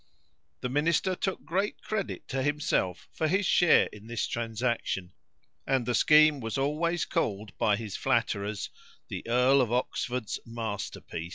The minister took great credit to himself for his share in this transaction, and the scheme was always called by his flatterers "the Earl of Oxford's masterpiece."